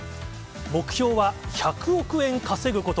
目標は１００億円稼ぐこと。